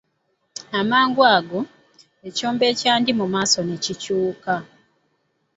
Amangu ago, ekyombo ekyandi mu maaso ne kikyuka